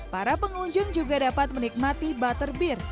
para pengunjung juga dapat menikmati butterbeer